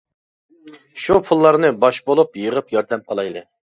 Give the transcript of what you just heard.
شۇ پۇللارنى باش بولۇپ يىغىپ ياردەم قىلايلى.